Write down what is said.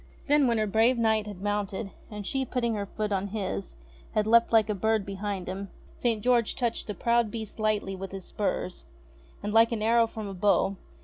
Then, when her brave Knight had mounted, and she, putting her foot on his, had leapt like a bird behind him, St. George touched the proud beast lightly with his spurs, and, like an arrow from a bow.